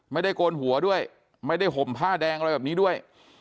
โกนหัวด้วยไม่ได้ห่มผ้าแดงอะไรแบบนี้ด้วย